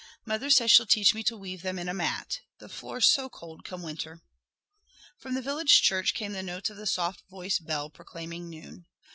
Mother says she'll teach me to weave them in a mat. The floor's so cold come winter." From the village church came the notes of the soft voiced bell proclaiming noon.